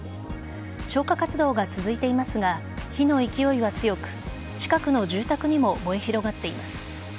消火活動が続いていますが火の勢いが強く近くの住宅にも燃え広がっています。